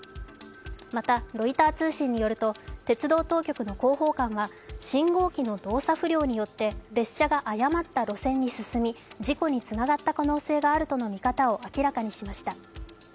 また、ロイター通信によると鉄道当局の広報官は信号機の動作不良によって列車が誤った路線に進み事故につながった可能性があるとの見方を明らかにしました。